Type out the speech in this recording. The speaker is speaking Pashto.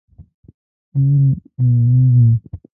تېل روانېږي.